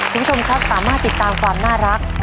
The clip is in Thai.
คุณผู้ชมครับสามารถติดตามความน่ารัก